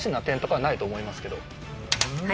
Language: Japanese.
はい。